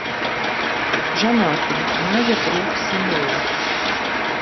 Жанаты, мае трох сыноў.